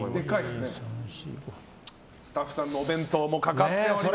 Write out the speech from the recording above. スタッフさんのお弁当もかかっております。